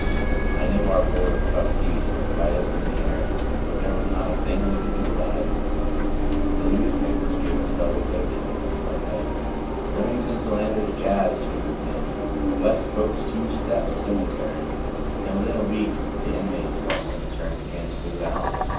I know our board of trustees went right up in the air, but there was not a thing we could do about it. The newspapers gave us double pages the next Sunday "Remington Solander's Jazz Tomb" and "Westcote's Two Step Cemetery." And within a week the inmates of our cemetery began to move out.